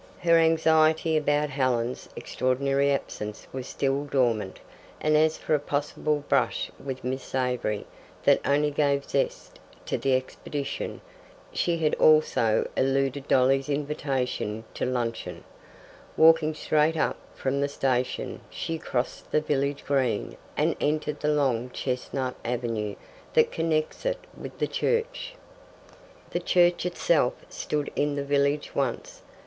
Her anxiety about Helen's extraordinary absence was still dormant, and as for a possible brush with Miss Avery that only gave zest to the expedition. She had also eluded Dolly's invitation to luncheon. Walking straight up from the station, she crossed the village green and entered the long chestnut avenue that connects it with the church. The church itself stood in the village once.